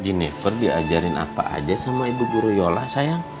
jenifer diajarin apa aja sama ibu guru yolah sayang